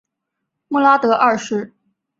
穆拉德二世。